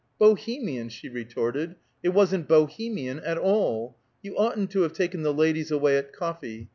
"Bohemian!" she retorted. "It wasn't Bohemian at all. You oughtn't to have taken the ladies away at coffee.